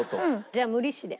じゃあ無利子で。